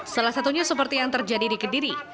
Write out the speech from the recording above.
salah satunya seperti yang terjadi di kediri